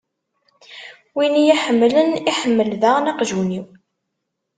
Win i y-iḥemmlen, iḥemmel daɣen aqjun-iw.